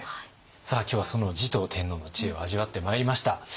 さあ今日はその持統天皇の知恵を味わってまいりました。